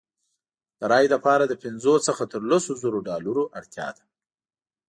د رایې لپاره له پنځو څخه تر لسو زرو ډالرو اړتیا ده.